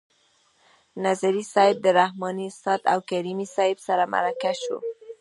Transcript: نظري صیب د رحماني استاد او کریمي صیب سره مرکه شو.